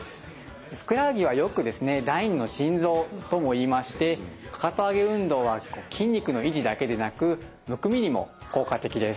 ふくらはぎはよく第二の心臓ともいいましてかかと上げ運動は筋肉の維持だけでなくむくみにも効果的です。